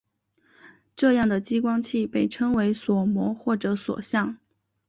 这样的激光器被称为锁模或者锁相。